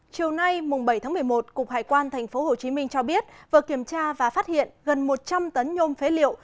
chiều nay bảy tháng một mươi một cục hải quan tp hcm cho biết vừa kiểm tra và phát hiện gần một trăm linh tấn nhôm phế liệu